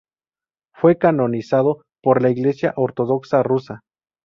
Fue canonizado por la Iglesia Ortodoxa Rusa.